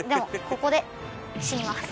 ここで死にます。